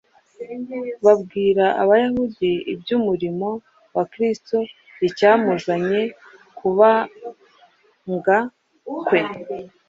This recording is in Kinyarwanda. babwira Abayahudi iby’umurimo wa Kristo, icyamuzanye, kubambwa kwe,